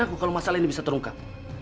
bukan aku kalau masalah ini bisa terungkap